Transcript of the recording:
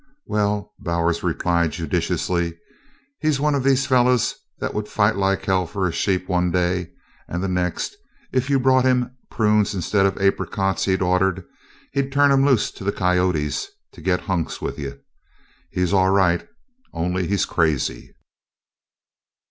"Well," Bowers replied judicially, "he's one of these fellers that would fight like hell fer his sheep one day, and the next, if you brought him prunes instead of the aprycots he'd ordered, he'd turn 'em loose to the coyotes to git hunks with you. He's all right, only he's crazy."